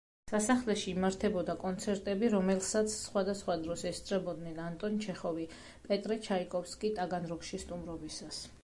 სასახლეში იმართებოდა კონცერტები, რომელსაც სხვადასხვა დროს ესწრებოდნენ ანტონ ჩეხოვი, პეტრე ჩაიკოვსკი ტაგანროგში სტუმრობისას.